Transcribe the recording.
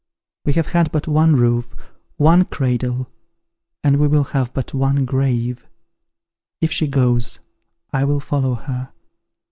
We have had but one roof, one cradle, and we will have but one grave! If she goes, I will follow her.